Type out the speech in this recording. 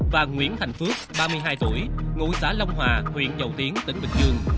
và nguyễn thành phước ba mươi hai tuổi ngụ xã long hòa huyện dầu tiến tỉnh bình dương